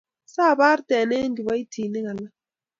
Siaborten eng kiboishinik alak